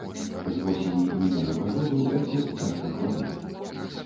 З восені мінулага году айцец цяжка хварэў.